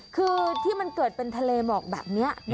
คือที่มันเกิดเป็นทะเลหมอกแบบนี้